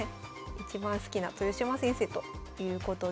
いちばん好きな豊島先生ということです。